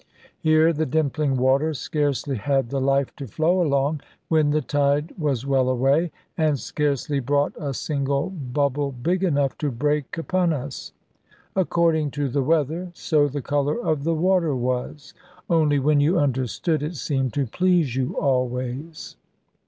Here the dimpling water scarcely had the life to flow along when the tide was well away; and scarcely brought a single bubble big enough to break upon us. According to the weather, so the colour of the water was. Only when you understood, it seemed to please you always.